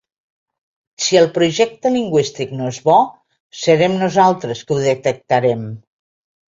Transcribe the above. Si el projecte lingüístic no és bo serem nosaltres que ho detectarem.